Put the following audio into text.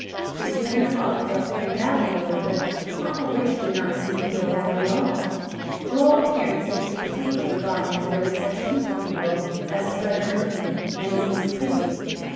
Prissy and her father felt very badly over it, but Uncle Richard did not seem to feel badly at all. To all appearance he had completely forgotten that there were such people in the world as his brother Irving and his niece Prissy.